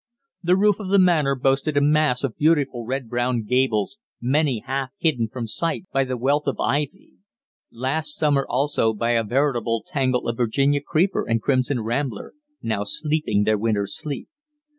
The roof of the Manor boasted a mass of beautiful red brown gables, many half hidden from sight by the wealth of ivy; last summer also by a veritable tangle of Virginia creeper and crimson rambler, now sleeping their winter sleep.